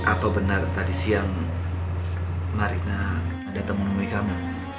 apa benar tadi siang marina datang menemui kami